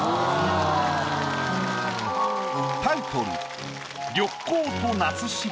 タイトル。